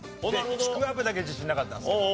ちくわぶだけ自信なかったんですけど。